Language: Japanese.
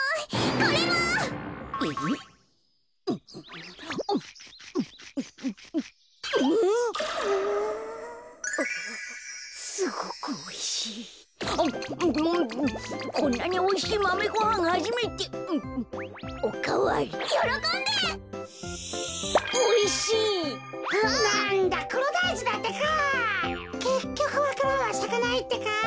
けっきょくわか蘭はさかないってか。